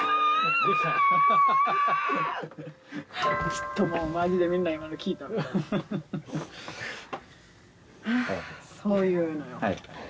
きっともう周りでみんな今の聴いたはぁそういうのよ